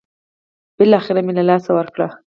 بالاخره مې له لاسه ورکړ.